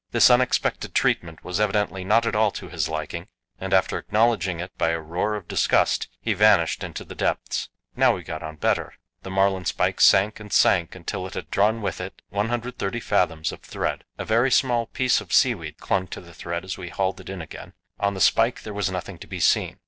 This unexpected treatment was evidently not at all to his liking, and after acknowledging it by a roar of disgust, he vanished into the depths. Now we got on better. The marlinspike sank and sank until it had drawn with it 130 fathoms of thread. A very small piece of seaweed clung to the thread as we hauled it in again; on the spike there was nothing to be seen.